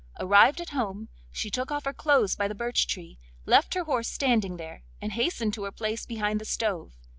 Arrived at home, she took off her clothes by the birch tree, left her horse standing there, and hastened to her place behind the stove.